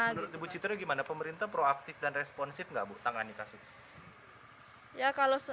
menurut ibu citra gimana pemerintah proaktif dan responsif gak bu tangannya kasih